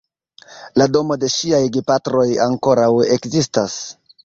La domo de ŝiaj gepatroj ankoraŭ ekzistas.